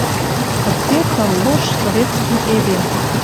Кыце тыл лош советский эдем